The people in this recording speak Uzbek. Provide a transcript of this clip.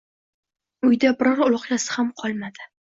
Uyda biror uloqchasi ham qolmadi